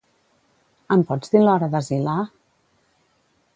Em pots dir l'hora d'Asilah?